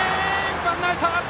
ワンアウト！